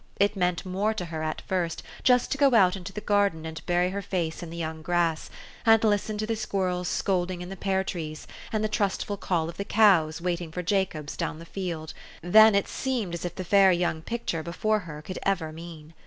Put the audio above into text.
It meant more to her, at first, just to go out into the garden and bury her face in the young grass, and listen to the squirrels scolding in the pear trees, and the trustful call of the cows waiting for Jacobs down the field, than it seemed as if the fair young picture before her could ever mean.